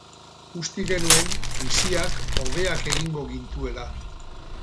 Uste genuen krisiak hobeak egingo gintuela.